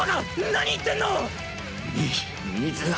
何言ってんの！